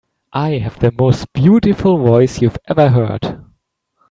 I have the most beautiful voice you have ever heard.